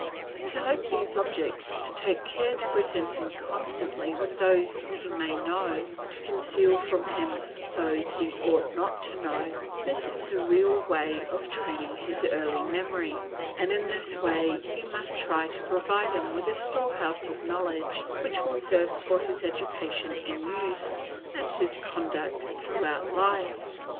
To select these objects, to take care to present him constantly with those he may know, to conceal from him those he ought not to know, this is the real way of training his early memory; and in this way you must try to provide him with a storehouse of knowledge which will serve for his education in youth and his conduct throughout life.